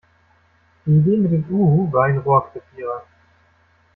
Die Idee mit dem Uhu war ein Rohrkrepierer.